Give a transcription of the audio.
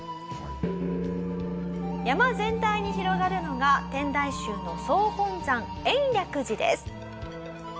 山全体に広がるのが天台宗の総本山延暦寺です。